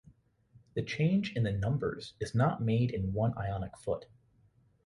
The change in the numbers is not made in one Ionic foot